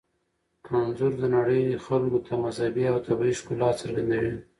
انځور د نړۍ خلکو ته مذهبي او طبیعي ښکلا څرګندوي.